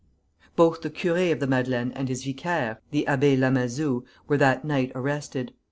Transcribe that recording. ] Both the curé of the Madeleine and his vicaire, the Abbé Lamazou, were that night arrested.